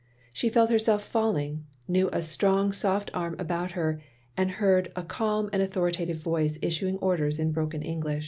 She felt herself failing, knew a strong soft arm about her, and heard a calm authoritative voice issuing orders in broken Engjiish.